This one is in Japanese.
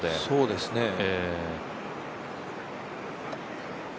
そうですね。